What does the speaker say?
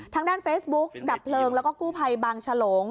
ทางด้านเฟซบุ๊กดับเพลิงแล้วก็กู้ภัยบางฉลง